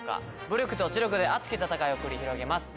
武力と知力で熱き戦いを繰り広げます。